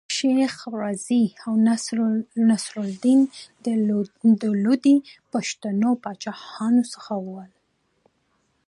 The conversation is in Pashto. شېخ رضي او نصر لودي د لودي پښتنو د پاچاهانو څخه ول.